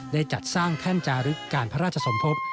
ได้จัดสร้างแท่นจารึกการพระราชสมภพ